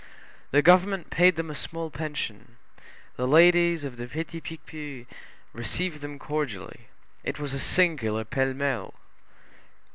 The government paid them a small pension, the ladies of the Petit Picpus received them cordially. It was a singular pell mell.